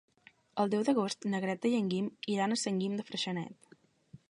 El deu d'agost na Greta i en Guim iran a Sant Guim de Freixenet.